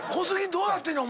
どうなってんねん？